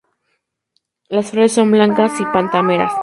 Las flores son blancas y pentámeras.